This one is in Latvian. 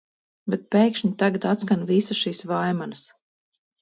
Bet pēkšņi tagad atskan visas šīs vaimanas.